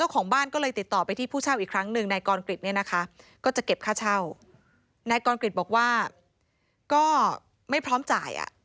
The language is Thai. ก็ไม่พร้อมจ่าย